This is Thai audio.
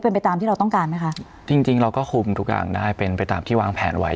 เป็นไปตามที่เราต้องการไหมคะจริงจริงเราก็คุมทุกอย่างได้เป็นไปตามที่วางแผนไว้